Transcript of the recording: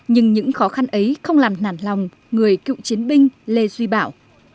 nhưng những khó khăn ấy không làm nản lòng người cựu chiến binh lê duy bảo